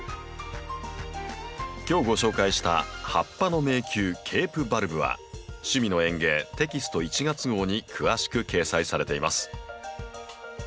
今日ご紹介した「葉っぱの迷宮ケープバルブ」は「趣味の園芸」テキスト１月号に詳しく掲載されています。